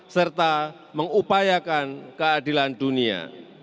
serta mengupayakan keadilan dunia